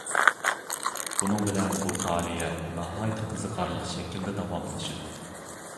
بۇنىڭ بىلەن بۇ پائالىيەت ناھايىتى قىزىقارلىق شەكىلدە داۋاملىشىدۇ.